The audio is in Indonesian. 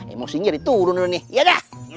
emosinya diturun dulu nih ya dah